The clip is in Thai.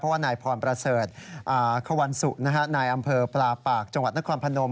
ว่านายพรประเสริฐควันสุนายอำเภอปลาปากจังหวัดนครพนม